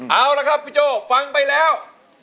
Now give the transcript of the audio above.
เอาละครับพี่โจ้ฟังไปแล้ว